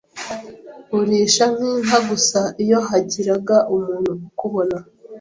urisha nk’inka gusa iyo hagiraga umuntu ukubona